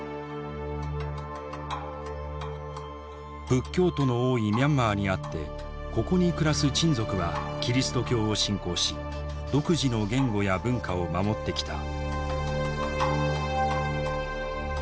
仏教徒の多いミャンマーにあってここに暮らすチン族はキリスト教を信仰し独自の言語や文化を守ってきた。